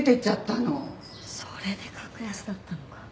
それで格安だったのか。